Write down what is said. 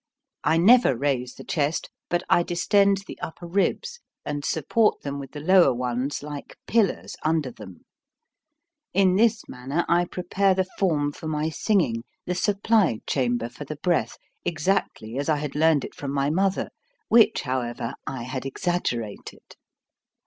I never raise the chest, but I distend the upper ribs and support them with the lower ones like pillars under them. In this manner I prepare OF THE BREATH 27 the form for my singing, the supply chamber for the breath, exactly as I had learned it from my mother which, however, I had exaggerated.